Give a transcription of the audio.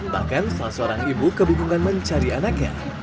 bahkan salah seorang ibu kebingungan mencari anaknya